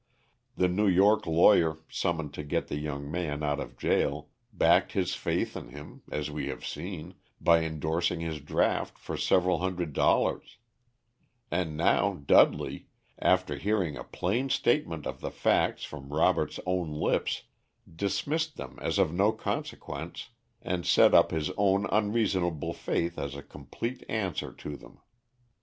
The New York lawyer, summoned to get the young man out of jail, backed his faith in him, as we have seen, by indorsing his draft for several hundred dollars; and now Dudley, after hearing a plain statement of the facts from Robert's own lips, dismissed them as of no consequence, and set up his own unreasonable faith as a complete answer to them.